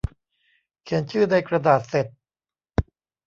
เขียนชื่อในกระดาษเสร็จ